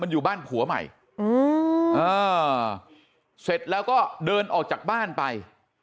อยู่บ้านผัวใหม่เสร็จแล้วก็เดินออกจากบ้านไป